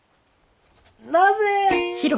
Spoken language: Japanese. なぜ！？